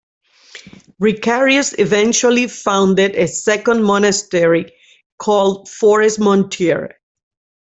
Richarius eventually founded a second monastery called Forest-Montier.